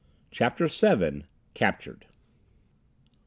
CHAPTER VII Captured!